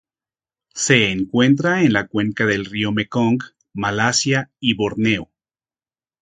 Se encuentra en la cuenca del río Mekong, Malasia y Borneo.